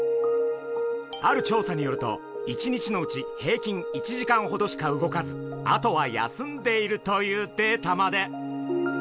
ある調査によると一日のうち平均１時間ほどしか動かずあとは休んでいるというデータまで！